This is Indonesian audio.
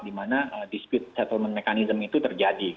di mana dispute settlement mechanism itu terjadi